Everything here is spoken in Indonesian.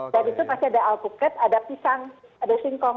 dan di situ pasti ada alpuket ada pisang ada singkong